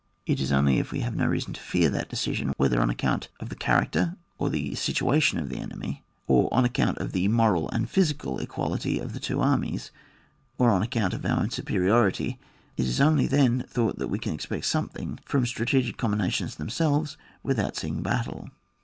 It is only if we have no reason to fear that decision, whether on account of tha cha racter or the situation of the enemy, or on accoimt of the moral and physical equa lity of the two armies, or on account of our own superiority — ^it is only then that we can expect something from strategic com binations in themselves without battles.